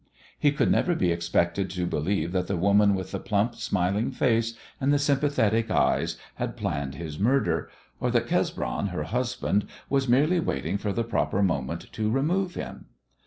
He could never be expected to believe that the woman with the plump, smiling face and the sympathetic eyes had planned his murder, or that Cesbron, her husband, was merely waiting for the proper moment to "remove" him.